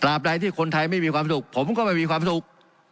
ใดที่คนไทยไม่มีความสุขผมก็ไม่มีความสุข